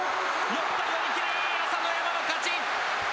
寄った、寄り切り朝乃山の勝ち。